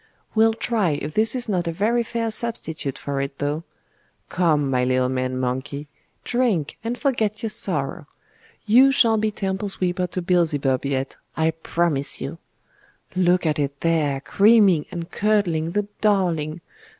We'll try if this is not a very fair substitute for it, though. Come, my little man monkey, drink, and forget your sorrow! You shall be temple sweeper to Beelzebub yet, I promise you. Look at it there, creaming and curdling, the darling!